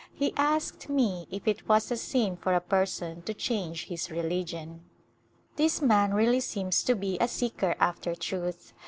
He asked me if it was a sin for a person to change his religion. This man really seems to be a seeker after truth.